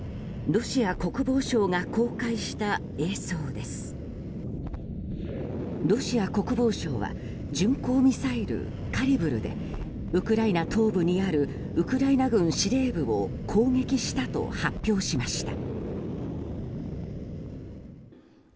ロシア国防省は巡航ミサイル、カリブルでウクライナ東部にあるウクライナ軍司令部を攻撃したと発表しました。